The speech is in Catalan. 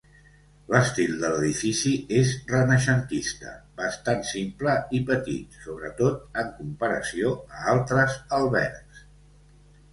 L'estil de l'edifici és renaixentista, bastant simple i petit, sobretot en comparació a altres albergs.